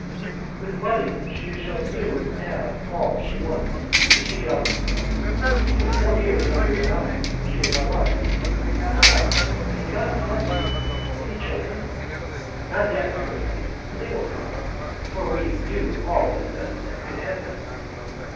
"With money she will soon have all she wants. Is she young?" "She is four years younger than I. She is my wife." "Ah! may God bless you! Any children?" "Not yet, my good lady; but they will come, for we do all that is necessary to have them."